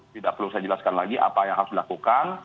tidak perlu saya jelaskan lagi apa yang harus dilakukan